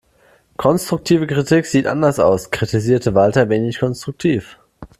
Konstruktive Kritik sieht anders aus, kritisierte Walter wenig konstruktiv.